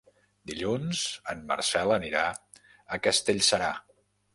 Dilluns en Marcel anirà a Castellserà.